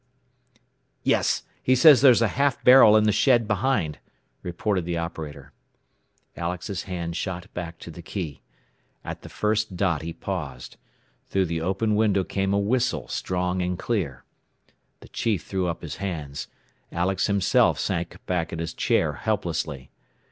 "Yes; he says there's a half barrel in the shed behind," reported the operator. Alex's hand shot back to the key. At the first dot he paused. Through the open window came a whistle, strong and clear. The chief threw up his hands. Alex himself sank back in his chair, helplessly.